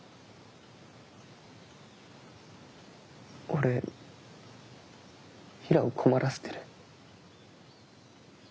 俺平良を困らせてる。